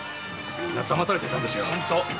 みんなだまされていたんですよ。